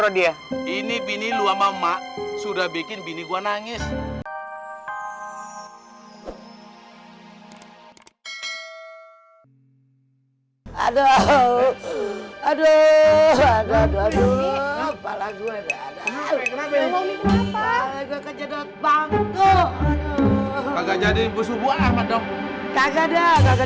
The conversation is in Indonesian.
dia ini bini lu sama mak sudah bikin bini gua nangis aduh aduh aduh aduh aduh aduh aduh aduh